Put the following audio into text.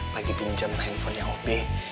lagi pinjam handphonenya ob